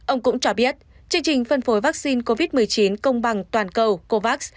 ông cũng cho biết chương trình phân phối vaccine covid một mươi chín công bằng toàn cầu covax